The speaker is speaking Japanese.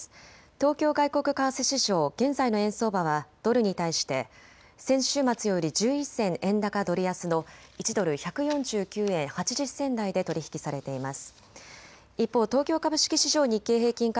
東京外国為替市場、現在の円相場はドルに対して先週末より１１銭円高ドル安の１ドル１４９円８０銭台で取り引きされています。